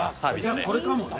じゃこれかもね。